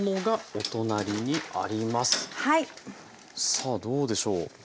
さあどうでしょう。